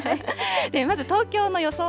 まず東京の予想